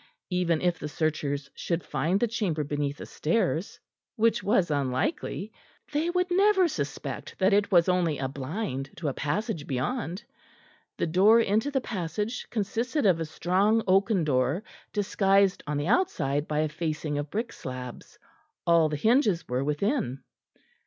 Even if the searchers should find the chamber beneath the stairs, which was unlikely, they would never suspect that it was only a blind to a passage beyond. The door into the passage consisted of a strong oaken door disguised on the outside by a facing of brick slabs; all the hinges were within.